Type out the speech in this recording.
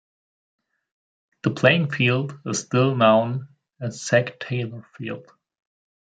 The playing field is still known as Sec Taylor Field.